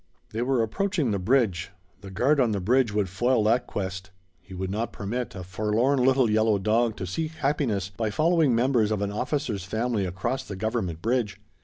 They were approaching the bridge. The guard on the bridge would foil that quest. He would not permit a forlorn little yellow dog to seek happiness by following members of an officer's family across the Government bridge.